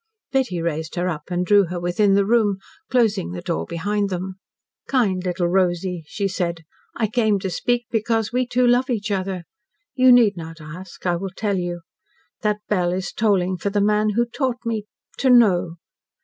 Betty raised her up and drew her within the room, closing the door behind them. "Kind little Rosy," she said. "I came to speak because we two love each other. You need not ask, I will tell you. That bell is tolling for the man who taught me to KNOW.